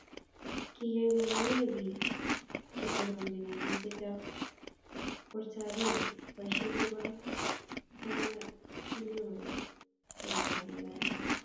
kiyai komye biik che tononchini ribsetab bortabiik boisiet nebo komakinyoru koroitab malaria.